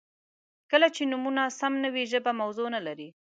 • کله چې نومونه سم نه وي، ژبه موضوع نهلري.